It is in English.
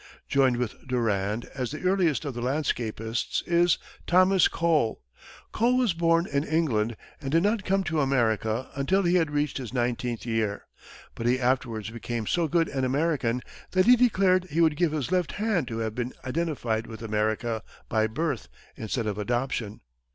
Joined with Durand as the earliest of the landscapists is Thomas Cole. Cole was born in England and did not come to America until he had reached his nineteenth year, but he afterwards became so good an American that he declared he would give his left hand to have been identified with America by birth instead of adoption.